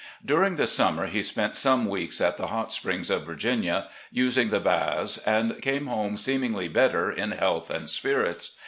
"During the summer he spent some weeks at the Hot Springs of Virginia, using the baths, and came home seemingly better in health and spirits.